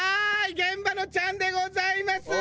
現場のチャンでございます！